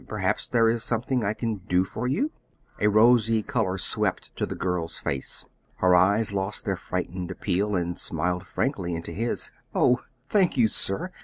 Perhaps there is something I can do for you." A rosy color swept to the girl's face. Her eyes lost their frightened appeal, and smiled frankly into his. "Oh, thank you, sir!